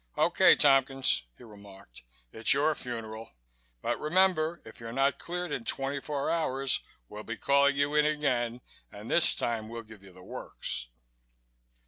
"Okay, Tompkins," he remarked. "It's your funeral. But remember, if you're not cleared in twenty four hours, we'll be calling you in again and this time we'll give you the works."